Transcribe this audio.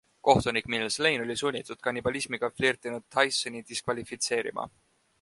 Kohtunik Mills Lane oli sunnitud kannibalismiga flirtinud Tysoni diskvalifitseerima.